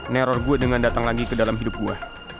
neror gue dengan datang lagi ke dalam hidup gue